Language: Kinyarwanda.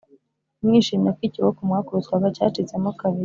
ntimwishimire ko ikiboko mwakubitwaga cyacitsemo kabiri,